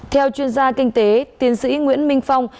theo chuyên gia kinh tế tiến sĩ nguyễn minh phong